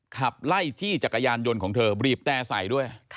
ขับไล่จี้จักรยานยนต์ของเธอบีบแต่ใส่ด้วย